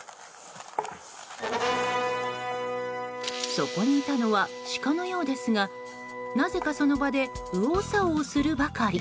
そこにいたのはシカのようですがなぜか、その場で右往左往するばかり。